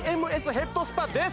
ヘッドスパです